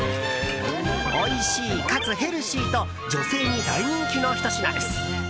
おいしいかつヘルシーと女性に大人気のひと品です。